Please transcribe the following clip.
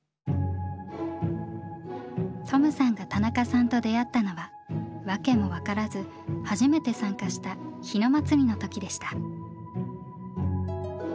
トムさんが田中さんと出会ったのは訳も分からず初めて参加した日野祭の時でした。